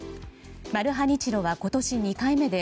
マルハニチロは今年２回目で